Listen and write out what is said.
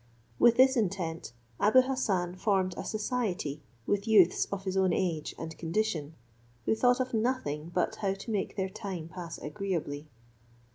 With this intent, Abou Hassan formed a society with youths of his own age and condition, who thought of nothing but how to make their time pass agreeably.